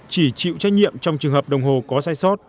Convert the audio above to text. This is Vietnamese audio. chỉ chịu trách nhiệm trong trường hợp đồng hồ có sai sót